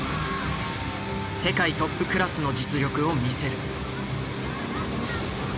世界トップクラスの実力を見せる。